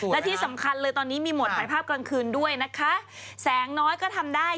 และที่สำคัญเลยตอนนี้มีหมดถ่ายภาพกลางคืนด้วยนะคะแสงน้อยก็ทำได้